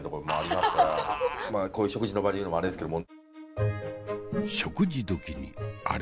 まあこういう食事の場で言うのもアレですけども。